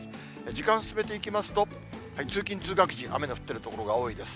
時間進めていきますと、通勤・通学時、雨の降っている所が多いです。